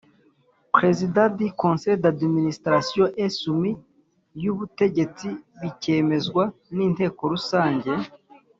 Pr sident du Conseil d administration et soumis y ubutegetsi bikemezwa n Inteko Rusange